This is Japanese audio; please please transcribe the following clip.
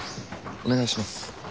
お願いします。